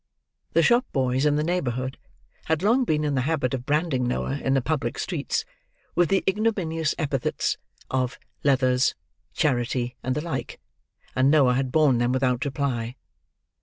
The shop boys in the neighbourhood had long been in the habit of branding Noah in the public streets, with the ignominious epithets of "leathers," "charity," and the like; and Noah had bourne them without reply.